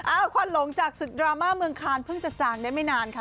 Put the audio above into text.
ควันหลงจากศึกดราม่าเมืองคานเพิ่งจะจางได้ไม่นานค่ะ